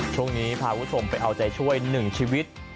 ช่วงนี้พาคุณผู้ชมไปเอาใจช่วย๑ชีวิต